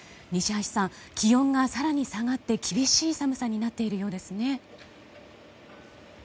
西橋さん、気温が更に下がって厳しい寒さになっているようですね。